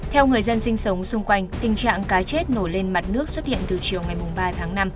theo người dân sinh sống xung quanh tình trạng cá chết nổi lên mặt nước xuất hiện từ chiều ngày ba tháng năm